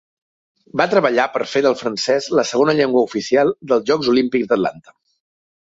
Va treballar per fer del francès la segona llengua oficial dels Jocs Olímpics d'Atlanta.